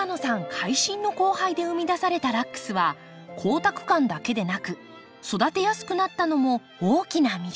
会心の交配で生み出されたラックスは光沢感だけでなく育てやすくなったのも大きな魅力。